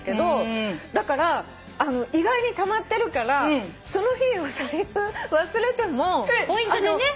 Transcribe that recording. だから意外にたまってるからその日お財布忘れても。えっ！？